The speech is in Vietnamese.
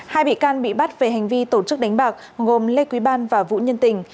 hai bị can bị bắt về hành vi tổ chức đánh bạc gồm lê quý ban và vũ nhân tình